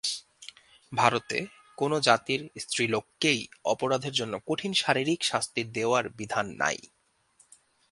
ভারতে কোন জাতির স্ত্রীলোককেই অপরাধের জন্য কঠিন শারীরিক শাস্তি দেওয়ার বিধান নাই।